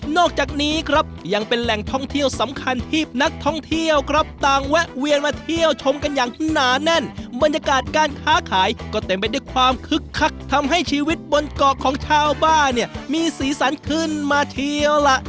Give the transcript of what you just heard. จากนี้ครับยังเป็นแหล่งท่องเที่ยวสำคัญที่นักท่องเที่ยวครับต่างแวะเวียนมาเที่ยวชมกันอย่างหนาแน่นบรรยากาศการค้าขายก็เต็มไปด้วยความคึกคักทำให้ชีวิตบนเกาะของชาวบ้านเนี่ยมีสีสันขึ้นมาเที่ยวล่ะ